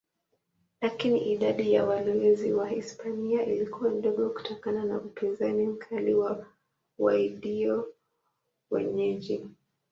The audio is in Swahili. Lakini idadi ya walowezi Wahispania ilikuwa ndogo kutokana na upinzani mkali wa Waindio wenyeji.